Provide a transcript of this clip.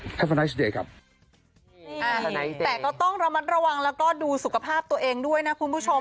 แต่ก็ต้องระมัดระวังแล้วก็ดูสุขภาพตัวเองด้วยนะคุณผู้ชม